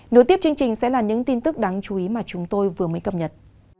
nối tiếp chương trình sẽ là những tin tức đáng chú ý mà chúng tôi vừa mới cập nhật